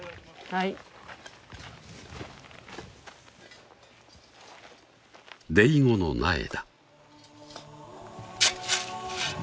はいデイゴの苗だ